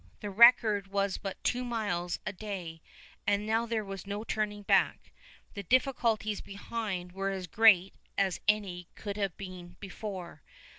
The record was but two miles a day; and now there was no turning back. The difficulties behind were as great as any that could be before.